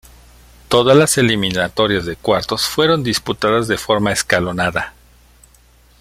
Todas las eliminatorias de cuartos fueron disputadas de forma escalonada.